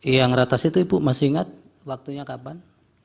yang ratas itu ibu masih ingat waktunya kapan